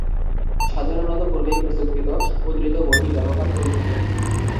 সাধারণত পূর্বেই প্রস্তুতকৃত মুদ্রিত বহি ব্যবহার করে থাকেন।